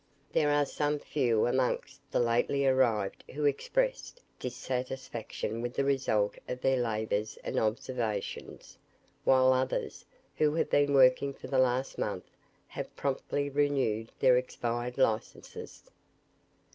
"There are some few amongst the lately arrived who expressed dissatisfaction with the result of their labours and observations, while others, who have been working for the last month, have promptly renewed their expired licences.